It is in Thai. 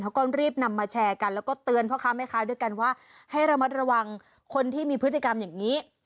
เขาก็รีบนำมาแชร์กันแล้วก็เตือนพ่อค้าแม่ค้าด้วยกันว่าให้ระมัดระวังคนที่มีพฤติกรรมอย่างนี้